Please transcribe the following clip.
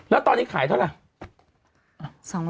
แล้วตอนนี้ขายเท่าไหร่